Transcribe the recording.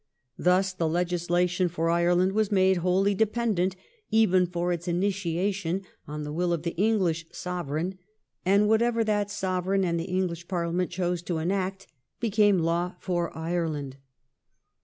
Thus the legislation for Ireland was made wholly dependent even for its initiation on the will of the English Sovereign, and whatever that Sovereign and the English Parliament chose to enact became law for Ireland.